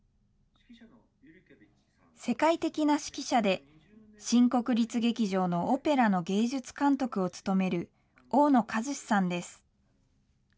世界的な指揮者で、新国立劇場のオペラの芸術監督を務める大野和士さんです。